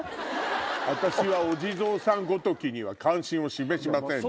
「私はお地蔵さんごときには関心を示しません」。